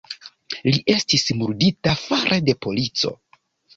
Li estis murdita fare de polico.